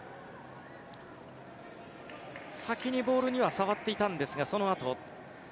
先にボールには触っていたんですがそのあと。